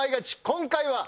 今回は。